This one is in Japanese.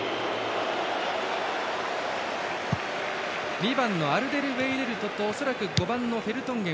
２番のアルデルウェイレルトと恐らく５番のフェルトンゲン。